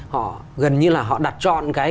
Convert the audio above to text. họ gần như là họ đặt trọn cái